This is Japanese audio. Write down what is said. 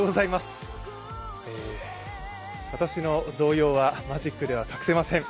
私の動揺はマジックでは隠せません。